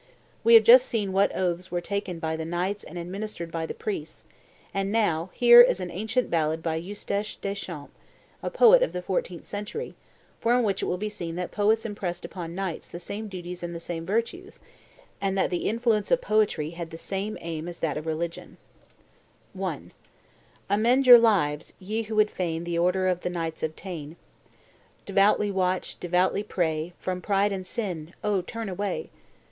We have just seen what oaths were taken by the knights and administered by the priests; and now, here is an ancient ballad by Eustache Deschamps, a poet of the fourteenth century, from which it will be seen that poets impressed upon knights the same duties and the same virtues, and that the influence of poetry had the same aim as that of religion: I. Amend your lives, ye who would fain The order of the knights attain; Devoutly watch, devoutly pray; From pride and sin, O, turn away!